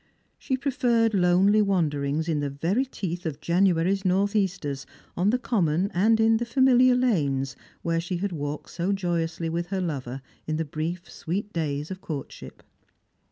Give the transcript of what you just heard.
She preferred lonely wanderings in the very teeth of January's north easters, on the common and in the tamiliar lanes where she had walked so joyously with her lover in the brief sweet days of courtship.